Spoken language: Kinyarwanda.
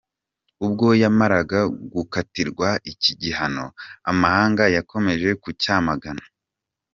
Ubwo yamaraga gukatirwa iki gihano, amahanga yakomeje kucyamagana.